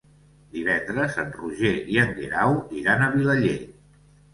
Divendres en Roger i en Guerau iran a Vilaller.